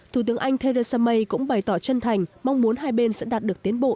thủ tướng anh theresa may cũng bày tỏ chân thành mong muốn hai bên sẽ đạt được tiến bộ